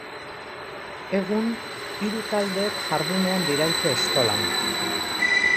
Egun, hiru taldeek jardunean diraute Eskolan.